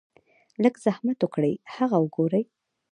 لږ زحمت اوکړئ هغه اوګورئ -